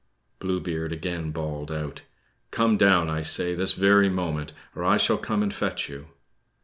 Blue Beard again bawled out: "Come down, I say, this very moment, or I shall come and fetch you."